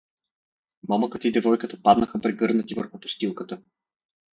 Момъкът и девойката паднаха прегърнати върху постилката.